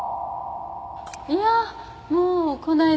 いやもうこないな時間。